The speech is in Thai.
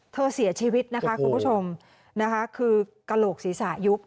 เสียชีวิตนะคะคุณผู้ชมนะคะคือกระโหลกศีรษะยุบ